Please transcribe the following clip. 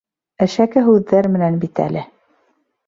Әшәке һүҙҙәр менән бит әле.